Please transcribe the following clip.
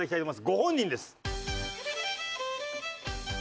ご本人です。